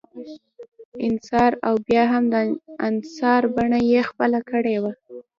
انحصار او بیا هم د انحصار بڼه یې خپله کړې وه.